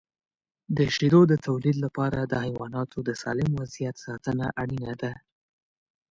د شیدو د تولید لپاره د حیواناتو د سالم وضعیت ساتنه اړینه ده.